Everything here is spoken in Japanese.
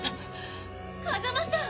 風間さん！